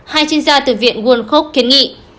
hai chuyên gia từ viện world health organization kiến nghị